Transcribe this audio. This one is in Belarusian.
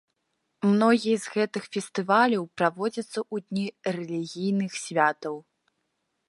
Многія з гэтых фестываляў праводзяцца ў дні рэлігійных святаў.